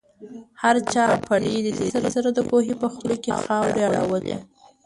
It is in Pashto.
هر چا په ډېرې تېزۍ سره د کوهي په خوله کې خاورې اړولې.